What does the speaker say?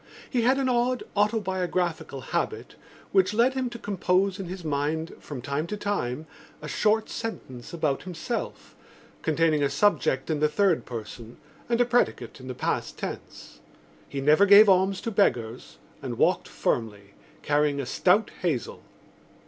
He had an odd autobiographical habit which led him to compose in his mind from time to time a short sentence about himself containing a subject in the third person and a predicate in the past tense. He never gave alms to beggars and walked firmly, carrying a stout hazel.